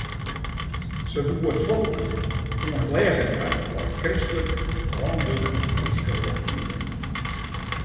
Se woe ‘it folk’ oan it lêzen krije mei kristlik ferantwurde Fryske lektuer.